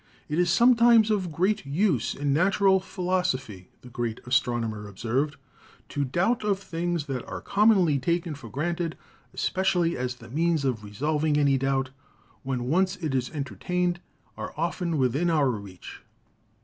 "It is sometimes of great use in natural philosophy," the great astronomer observed, "to doubt of things that are com monly taken for granted, especially as the means of resolv ing any doubt, when once it is entertained, are often within our reach."